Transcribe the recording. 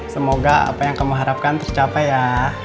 semoga apa yang kamu harapkan tercapai ya